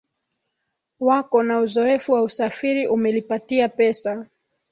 wako na uzoefu wa usafiri umelipatia pesa